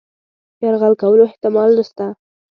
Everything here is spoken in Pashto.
یرغل کولو احتمال نسته.